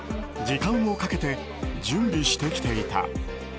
時間をかけて準備してきていた。